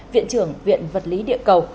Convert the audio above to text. viện trưởng viện vật lý địa cầu